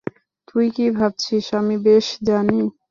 তুই কী ভাবছিস আমি বেশ জানি।